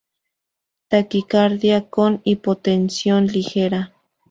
Taquicardia con hipotensión ligera.